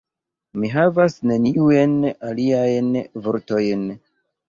Mi havas neniujn aliajn vortojn.